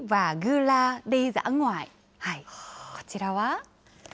こちらは。